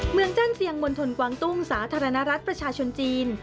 จ้านเสียงมณฑลกวางตุ้งสาธารณรัฐประชาชนจีน